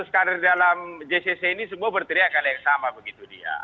tiga lima ratus kader dalam jcc ini semua berteriak yang sama begitu dia